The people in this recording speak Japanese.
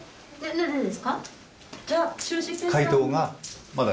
なぜですか？